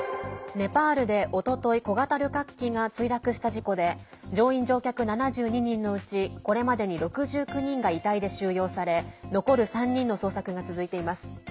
ネパールで、おととい小型旅客機が墜落した事故で乗員・乗客７２人のうちこれまでに６９人が遺体で収容され残る３人の捜索が続いています。